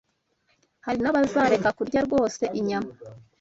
hari abazareka rwose kurya inyama